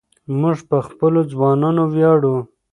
موږ په خپلو ځوانانو ویاړو.